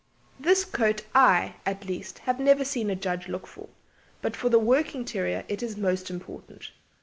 This under coat I, at least, have never seen a judge look for, but for the working terrier it is most important.